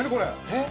えっ！